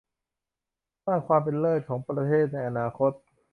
สร้างความเป็นเลิศของประเทศในอนาคต